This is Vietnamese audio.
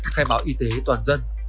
khai báo y tế toàn dân